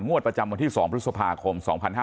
ประจำวันที่๒พฤษภาคม๒๕๕๙